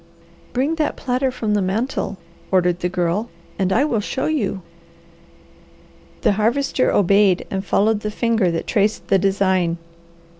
"Bring that platter from the mantel," ordered the Girl, "and I will show you." The Harvester obeyed and followed the finger that traced the design.